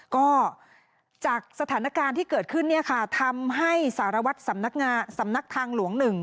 ก็จากสถานการณ์ที่เกิดขึ้นเนี่ยค่ะทำให้สารวัตรสำนักทางหลวง๑